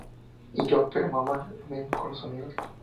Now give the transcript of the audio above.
Y yo, pero ‘¡Mamá!’ Lo mismo con los amigos.